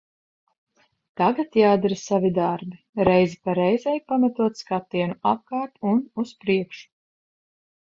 Tagad jādara savi darbi, reizi pa reizei pametot skatienu apkārt un uz priekšu.